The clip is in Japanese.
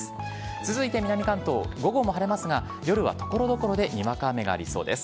続いて南関東、午後も晴れますが、夜はところどころでにわか雨がありそうです。